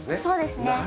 そうですね。